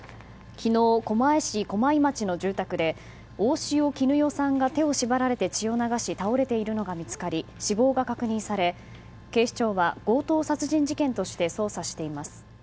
昨日、狛江市駒井町の住宅で大塩衣与さんが手を縛られ、血を流して倒れているのが見つかり死亡が確認され警視庁は強盗殺人事件として捜査しています。